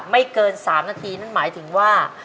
ไม่เกิน๓นาทีนั่นหมายถึงว่า